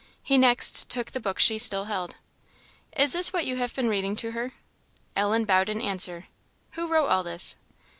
He next took the book she still held. "Is this what you have been reading to her?" Ellen bowed in answer. "Who wrote all this?"